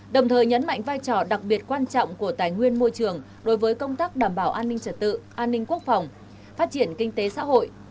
đồng thời nhấn mạnh vai trò đặc biệt quan trọng của tài nguyên môi trường đối với công tác đảm bảo an ninh trật tự an ninh quốc phòng phát triển kinh tế xã hội